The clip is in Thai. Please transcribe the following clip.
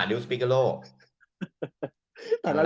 หุ้ผิ้กล้องป่ะ